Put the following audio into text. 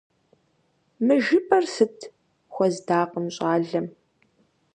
— Мы жыпӀэр сыт? — хуэздакъым щӀалэм.